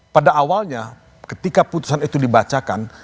pada awalnya ketika putusan itu dibacakan